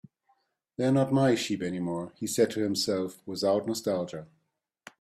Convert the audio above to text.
"They're not my sheep anymore," he said to himself, without nostalgia.